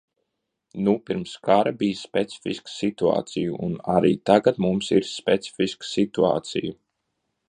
Nu, pirms kara bija specifiska situācija, un arī tagad mums ir specifiska situācija.